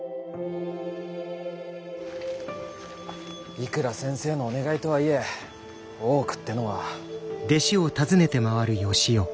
いくら先生のお願いとはいえ大奥ってのは。